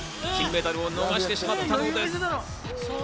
金メダルを逃してしまったのです。